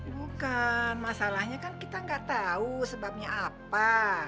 bukan masalahnya kan kita nggak tahu sebabnya apa